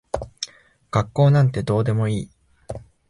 学校なんてどうでもいい。